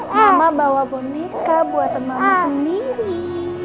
mama bawa boneka buatan mama sendiri